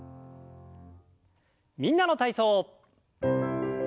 「みんなの体操」。